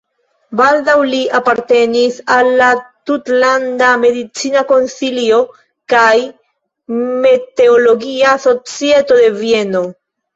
Baldaŭ li apartenis al la tutlanda medicina konsilio kaj meteologia societo de Vieno.